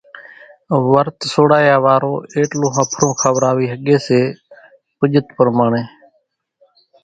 ورت سوڙايا وارو ايٽلون ۿڦرو کوراوي ۿڳي سي پُڄت پرماڻي،